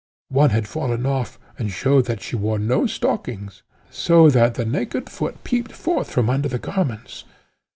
One had fallen off, and showed that she wore no stockings, so that the naked foot peeped forth from under the garments.